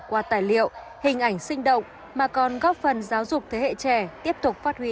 qua tài liệu hình ảnh sinh động mà còn góp phần giáo dục thế hệ trẻ tiếp tục phát huy